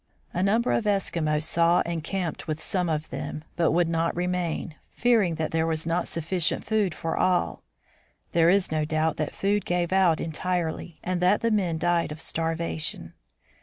A number of Eskimos saw and camped with some of them, but would not remain, fearing that there was not sufficient food for all. There is no doubt that food gave out entirely, and that the men died of starvation.